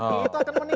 itu akan meningkatkan